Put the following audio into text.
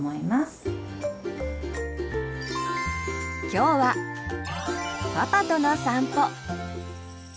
今日はパパとの散歩。